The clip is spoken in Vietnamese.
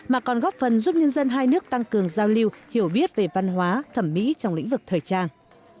mà còn góp phần giúp nhân dân hai nước tăng cường giao lưu hiểu biết về văn hóa thẩm mỹ trong lĩnh vực thời trang